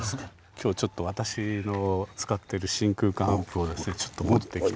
今日ちょっと私の使ってる真空管アンプを持ってきて。